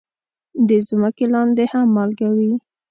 د ځمکې لاندې هم مالګه وي.